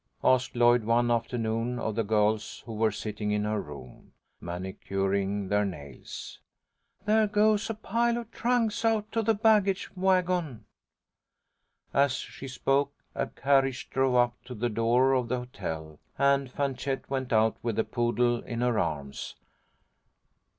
asked Lloyd, one afternoon, of the girls who were sitting in her room, manicuring their nails. "There goes a pile of trunks out to the baggage wagon." As she spoke, a carriage drove up to the door of the hotel, and Fanchette went out with the poodle in her arms.